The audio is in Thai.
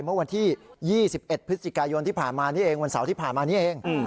เมื่อวันที่๒๑พฤศจิกายนที่ผ่านมานี่เองวันเสาร์ที่ผ่านมานี้เอง